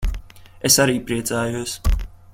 Es arī priecājos.